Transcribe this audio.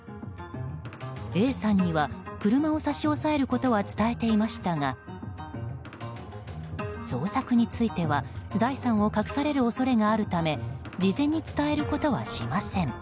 Ａさんには車を差し押さえることは伝えていましたが捜索については財産を隠される恐れがあるため事前に伝えることはしません。